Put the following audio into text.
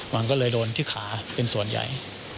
มันก็เลยโดนที่ขาเป็นส่วนใหญ่